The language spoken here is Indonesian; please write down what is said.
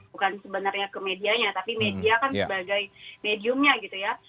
bukan sebenarnya ke medianya tapi media kan sebagai mediumnya gitu ya